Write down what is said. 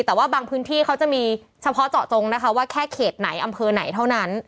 แต่ว่าบางพื้นที่เขาจะมีเฉพาะเจาะจงนะคะว่าแค่เขตไหนอำเภอไหนเท่านั้น